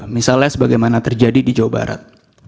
misalnya sebagaimana terjadi di jawa barat